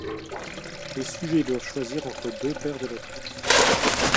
Les sujets doivent choisir entre deux paires de loteries.